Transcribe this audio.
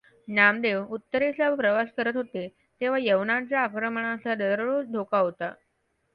नामदेव उत्तरेचा प्रवास करत होते, तेव्हा यवनांच्या आक्रमणांचा दररोज धोका होता.